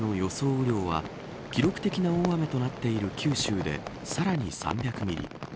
雨量は記録的な大雨となっている九州でさらに３００ミリ。